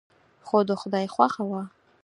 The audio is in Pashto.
خو د خدای خوښه وه.